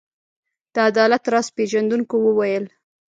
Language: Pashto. د عدالت راز پيژندونکو وویل.